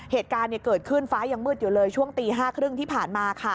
เหตุการณ์เกิดขึ้นฟ้ายังมืดอยู่เลยช่วงตี๕๓๐ที่ผ่านมาค่ะ